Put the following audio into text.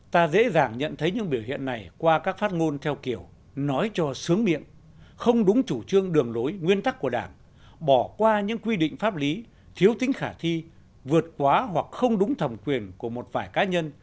ta dễ dàng nhận thấy những biểu hiện này qua các phát ngôn theo kiểu nói cho sướng miệng không đúng chủ trương đường lối nguyên tắc của đảng bỏ qua những quy định pháp lý thiếu tính khả thi vượt quá hoặc không đúng thẩm quyền của một vài cá nhân